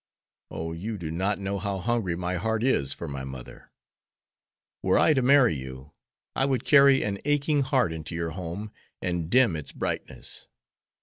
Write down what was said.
Oh, you do not know how hungry my heart is for my mother! Were I to marry you I would carry an aching heart into your home and dim its brightness.